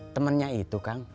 temennya itu kang